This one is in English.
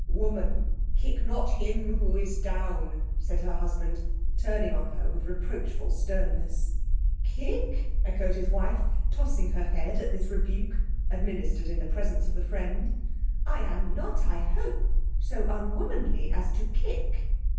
"Woman, kick not him who is down," said her husband, turning on her with reproachful sternness. "Kick!" echoed his wife, tossing her head at this rebuke, administered in the presence of the friend; "I am not, I hope, so unwomanly as to kick."